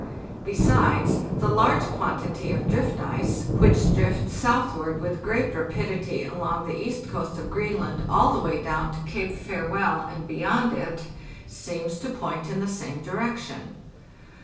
Besides, the large quantity of drift ice, which drifts southward with great rapidity along the east coast of Greenland all the way down to Cape Farewell and beyond it, seems to point in the same direction.